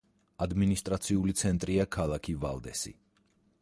ადმინისტრაციული ცენტრია ქალაქი ვალდესი.